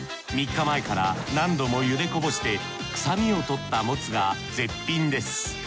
３日前から何度もゆでこぼして臭みを取ったモツが絶品です